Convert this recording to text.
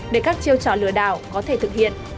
để các chiêu trò lừa đảo có thể thực hiện